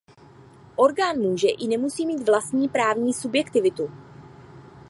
Orgán může i nemusí mít vlastní právní subjektivitu.